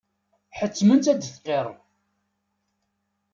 Ḥettmen-tt ad d-tqirr.